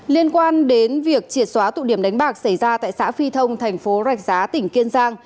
liên quan đến việc triệt xóa tụ điểm đánh bạc xảy ra tại xã phi thông thành phố rạch giá tỉnh kiên giang